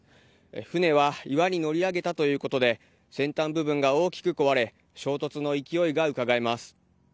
船は岩に乗り上げたということで先端部分が大きく壊れ衝突の勢いがうかがえます。